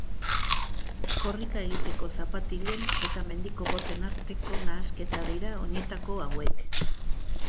Korrika egiteko zapatilen eta mendiko boten arteko nahasketa dira oinetako hauek.